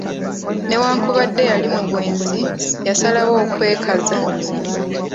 Newankubadde yali mu bwenzi, yasalawo okwekaza.